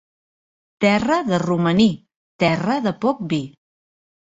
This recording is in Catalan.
Terra de romaní, terra de poc vi.